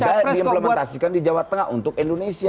sudah diimplementasikan di jawa tengah untuk indonesia